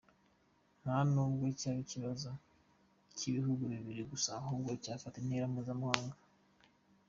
Ntanubwo cyaba ikibazo kibihugu bibiri gusa, ahubwo cyafata intera mpuzamahanga.